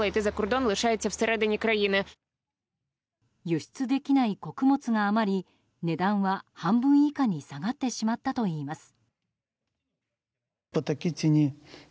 輸出できない穀物が余り値段は半分以下に下がってしまったといいます。